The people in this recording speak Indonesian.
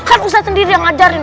kan ustadz sendiri yang ngajarin